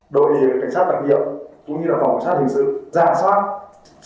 đội địa cảnh sát đặc nhiệm cũng như là phòng xác hình sự giả soát